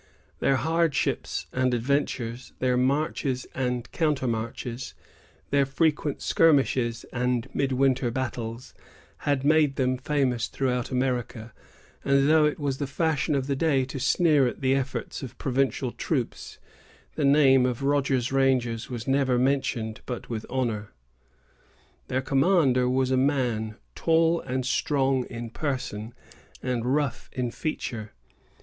Their hardships and adventures, their marches and countermarches, their frequent skirmishes and midwinter battles, had made them famous throughout America; and though it was the fashion of the day to sneer at the efforts of provincial troops, the name of Rogers's Rangers was never mentioned but with honor. Their commander was a man tall and strong in person, and rough in feature.